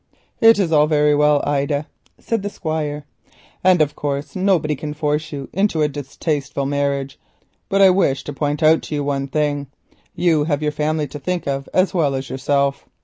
"It is all very well, Ida," said the Squire, "and of course nobody can force you into a distasteful marriage, but I wish to point out one thing. You have your family to think of as well as yourself.